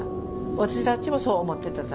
私たちもそう思ってたさ。